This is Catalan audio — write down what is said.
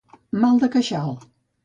Mal de queixal.